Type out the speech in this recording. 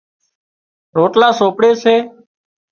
روٽلا سوپڙي سي